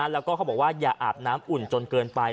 แล้วก็เขาบอกว่าอย่าอาบน้ำอุ่นจนเกินไป